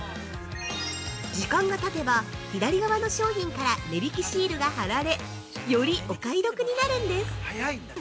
時間がたてば、左側の商品から値引きシールが貼られよりお買い得になるんです。